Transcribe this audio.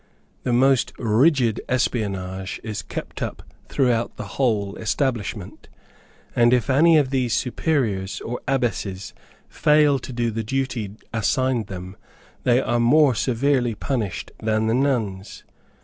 The most rigid espionage is kept up throughout the whole establishment; and if any of these superiors or abbesses fail to do the duty assigned them, they are more severely punished than the nuns.